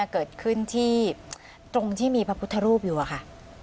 เกิดขึ้นที่ตรงที่มีพระพุทธรูปอยู่อะค่ะ